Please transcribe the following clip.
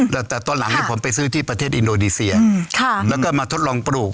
แต่ตอนหลังนี้ผมไปซื้อที่ประเทศอินโดนีเซียแล้วก็มาทดลองปลูก